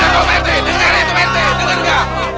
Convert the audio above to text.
tuh bener kok pak rt dengar itu pak rt dengar ga